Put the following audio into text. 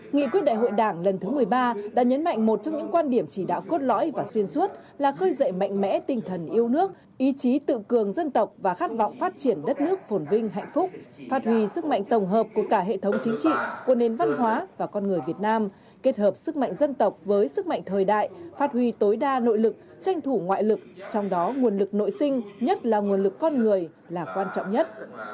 nghị quyết đại hội đảng lần thứ một mươi ba đã nhấn mạnh một trong những quan điểm chỉ đạo cốt lõi và xuyên suốt là khơi dậy mạnh mẽ tinh thần yêu nước ý chí tự cường dân tộc và khát vọng phát triển đất nước phổn vinh hạnh phúc phát huy sức mạnh tổng hợp của cả hệ thống chính trị nền văn hóa và con người việt nam kết hợp sức mạnh dân tộc với sức mạnh thời đại phát huy tối đa nội lực tranh thủ ngoại lực trong đó nguồn lực nội sinh nhất là nguồn lực con người là quan trọng nhất